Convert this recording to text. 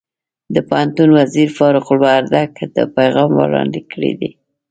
د پوهنې وزیر فاروق وردګ دا پیغام وړاندې کړی دی.